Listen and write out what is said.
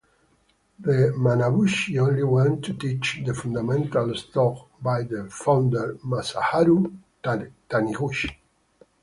The Manabushi only want to teach the fundamentals taught by the founder: Masaharu Taniguchi.